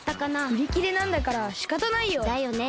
うりきれなんだからしかたないよ！だよね。